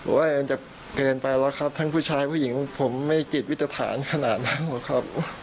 มันจะเกินไปแล้วครับทั้งผู้ชายผู้หญิงผมไม่จิตวิตรฐานขนาดนั้นหรอกครับ